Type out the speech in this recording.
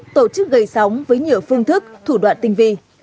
tổ chức gây sóng với nhiều phương thức thủ đoạn tinh vi